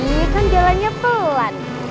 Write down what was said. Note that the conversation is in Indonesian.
ih kan jalannya poin